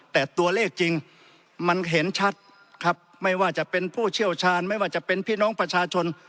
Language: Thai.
แต่ตัวเลขจริงมันเห็นชัดครับไม่ว่าจะเป็นผู้เชี่ยวชาญไม่ว่าจะเป็นพี่น้องประชาชน